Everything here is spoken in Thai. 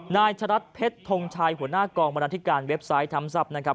นายชะรัฐเพชรทงชัยหัวหน้ากองบรรณาธิการเว็บไซต์ทำทรัพย์นะครับ